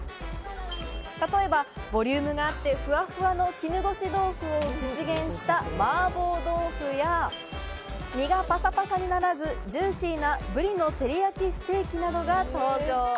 例えば、ボリュームがあって、ふわふわの絹ごし豆腐を実現した麻婆豆腐や、身がパサパサにならず、ジューシーなブリの照り焼きステーキなどが登場。